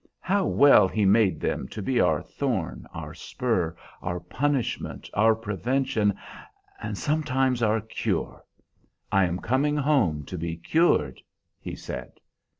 How well He made them, to be our thorn, our spur, our punishment, our prevention, and sometimes our cure! I am coming home to be cured,' he said.